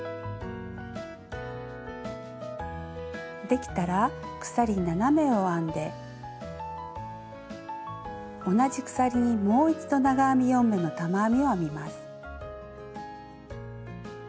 できたら鎖７目を編んで同じ鎖にもう一度長編み４目の玉編みを編みます。